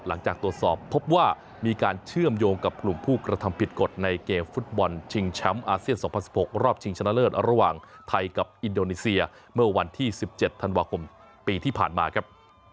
หลังจากตรวจสอบพบว่ามีการเชื่อมโยงกับกลุ่มผู้กระทำผิดกฎในเกมฟุตบอลชิงแชมป์อาเซียน๒๐๑๖รอบชิงชนะเลิศระหว่างไทยกับอินโดนีเซียเมื่อวันที่๑๗ธันวาคมปีที่ผ่านมาครับ